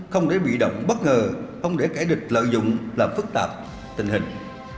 không để bị động bất ngờ không để kẻ địch lợi dụng làm phức tạp tình hình